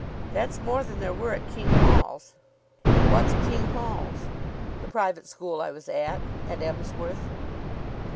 "That's more than there were at King Hall's." "What's King Hall's?" "The private school I was at. At Emsworth."